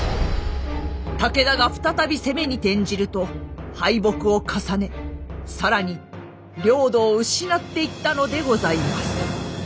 武田が再び攻めに転じると敗北を重ね更に領土を失っていったのでございます。